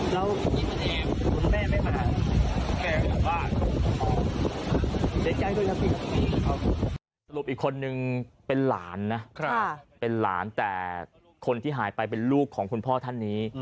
สรุปอีกคนนึงเป็นหลานนะเป็นหลานแต่คนที่หายไปเป็นลูกของคุณพ่อท่านนี้